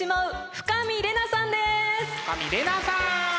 深見玲奈さん！